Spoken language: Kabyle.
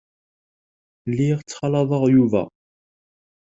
Lliɣ ttxalaḍeɣ Yuba.